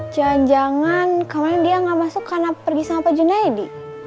jangan jangan kemarin dia gak masuk karena pergi sama pajun edi